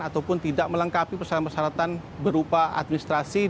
ataupun tidak melengkapi persyaratan persyaratan berupa administrasi